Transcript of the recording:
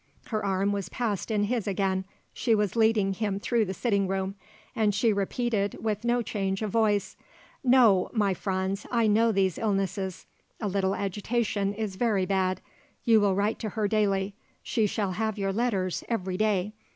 Her arm was passed in his again. She was leading him through the sitting room. And she repeated with no change of voice: "No, my Franz. I know these illnesses. A little agitation is very bad. You will write to her daily. She shall have your letters, every day.